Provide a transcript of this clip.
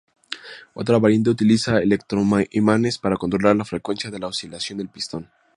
Otra variante utilizaba electroimanes para controlar la frecuencia de la oscilación del pistón.